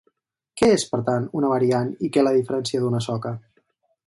Què és, per tant, una variant i què la diferencia d’una soca?